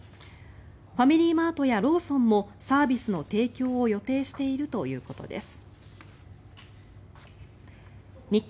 ファミリーマートやローソンもサービスの提供を予定しているということです。